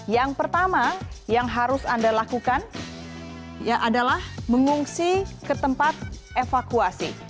yang pertama yang harus anda lakukan adalah mengungsi ke tempat evakuasi